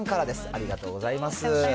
ありがとうございます。